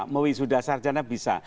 mewisuda sarjana bisa